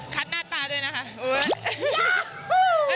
หน้าตาด้วยนะคะ